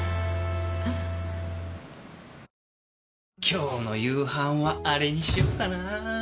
今日の夕飯はアレにしようかな。